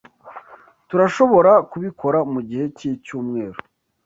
Turashobora kubikora mugihe cyicyumweru?